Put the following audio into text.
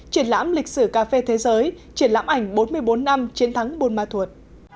triển lãm lịch sử cà phê thế giới triển lãm ảnh bốn mươi bốn năm chiến thắng buôn ma thuột